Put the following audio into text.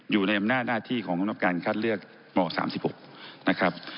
อยู่ในอำนาจหน้าที่ของคณะกรุงการคัดเลือกตรา๓๖